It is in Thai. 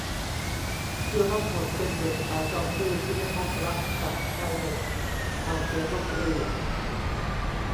ที่รับบทเป็นเด็กสาวจอมดื้อที่ได้พบรักกับชายหนุ่มผ่านเสียงดนตรี